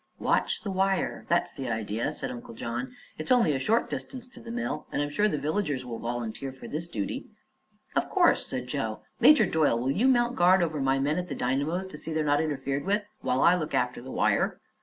"Watch the wire; that's the idea," said Uncle John. "It's only a short distance to the mill, and I'm sure the villagers will volunteer for this duty." "Of course," said Joe. "Major Doyle, will you mount guard over my men at the dynamos, to see they're not interfered with, while I look after the wire?"